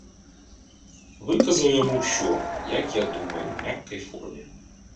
Выказаў яму ўсё, як я думаю, у мяккай форме.